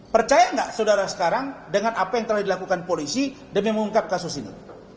percaya nggak saudara sekarang dengan apa yang telah dilakukan polisi demi mengungkap kasus ini